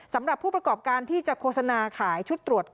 สำหรับผู้ประกอบการที่จะโฆษณาขายชุดตรวจ